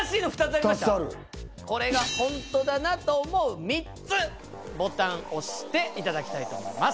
これが本当だなと思う３つボタン押していただきたいと思います。